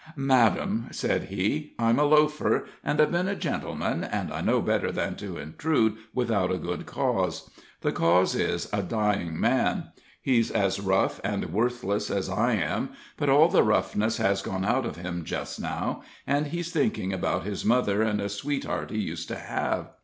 "Madame," said he, "I'm a loafer, but I've been a gentleman, and I know better than to intrude without a good cause. The cause is a dying man. He's as rough and worthless as I am, but all the roughness has gone out of him, just now, and he's thinking about his mother and a sweetheart he used to have.